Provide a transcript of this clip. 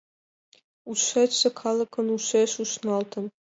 Ушетше калыкын ушеш ушналтын